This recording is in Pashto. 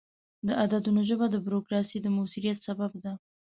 د عددونو ژبه د بروکراسي د موثریت سبب ده.